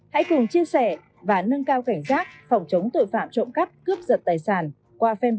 hãy cùng chia sẻ và nâng cao cảnh sát phòng chống tội phạm trộm cắp cướp giật tài sản qua fanpage của chương trình công an nhân dân